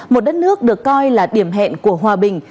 một đất nước được coi là điểm hẹn của hòa bình